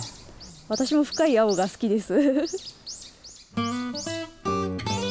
私も深い青が好きです。